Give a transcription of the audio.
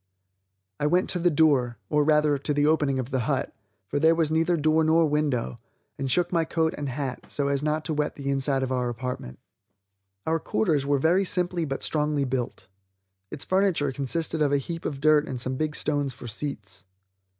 I went to the door, or rather to the opening of the hut, for there was neither door nor window, and shook my coat and hat, so as not to wet the inside of our apartment. Our quarters were very simply but strongly built. Its furniture consisted of a heap of dirt and some big stones for seats.